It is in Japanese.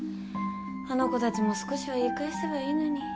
あの子たちも少しは言い返せばいいのに。